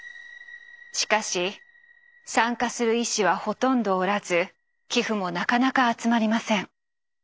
しかし参加する医師はほとんどおらず寄付もなかなか集まりません。